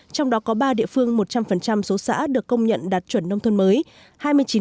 trong đó có ba địa phương một trăm linh số xã được công nhận đạt chuẩn nông thôn mới